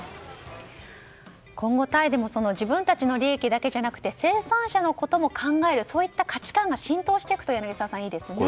今後、タイでも自分たちの利益だけじゃなくて生産者のことも考えるそういった価値観が浸透していくといいですよね